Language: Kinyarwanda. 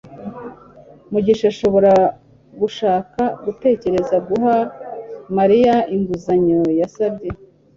mugisha ashobora gushaka gutekereza guha mariya inguzanyo yasabye